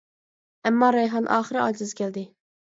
ئەمما رەيھان ئاخىرى ئاجىز كەلدى.